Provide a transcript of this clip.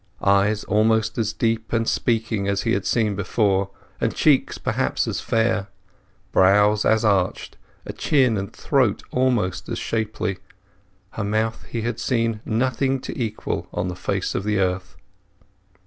Eyes almost as deep and speaking he had seen before, and cheeks perhaps as fair; brows as arched, a chin and throat almost as shapely; her mouth he had seen nothing to equal on the face of the earth.